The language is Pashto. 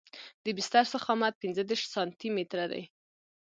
د بستر ضخامت پنځه دېرش سانتي متره دی